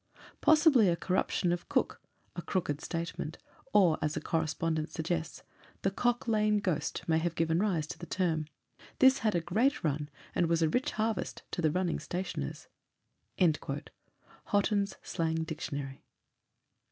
Possibly a corruption of COOK, a cooked statement, or, as a correspondent suggests, the COCK LANE ghost may have given rise to the term. This had a great run, and was a rich harvest to the running stationers." HOTTEN'S SLANG DICTIONARY.